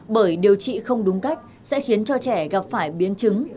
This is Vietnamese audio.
bởi điều trị không đúng cách sẽ khiến cho trẻ gặp phải biến chứng